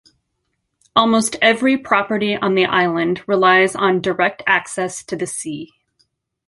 Almost every property on the Island relies on direct access to the sea.